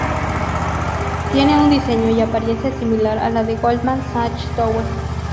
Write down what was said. Tiene un diseño y apariencia similar a la Goldman Sachs Tower.